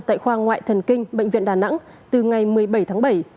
tại khoa ngoại thần kinh bệnh viện đà nẵng từ ngày một mươi bảy tháng bảy